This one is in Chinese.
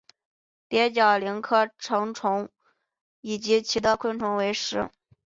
蝶角蛉科成虫以其他昆虫为食。